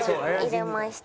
入れました。